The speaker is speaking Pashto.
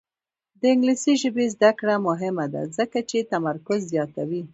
د انګلیسي ژبې زده کړه مهمه ده ځکه چې تمرکز زیاتوي.